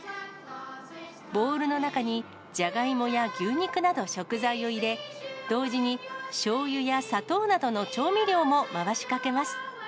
ボウルの中に、じゃがいもや牛肉など、食材を入れ、同時にしょうゆや砂糖などの調味料も回しかけます。